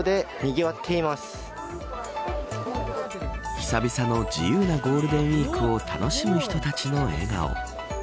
久々の自由なゴールデンウイークを楽しむ人たちの笑顔。